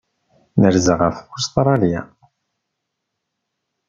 Nerza ɣef Ustṛalya.